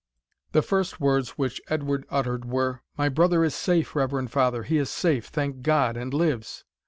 The first words which Edward uttered were, "My brother is safe, reverend father he is safe, thank God, and lives!